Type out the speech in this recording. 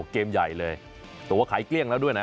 โอ้โหเกมใหญ่เลยแต่ว่าขายเกลี้ยงแล้วด้วยนะ